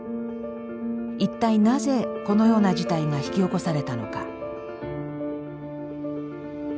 一体なぜこのような事態が引き起こされたのか。